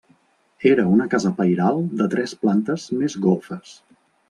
Era una casa pairal de tres plantes més golfes.